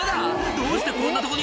どうしてこんなとこに？」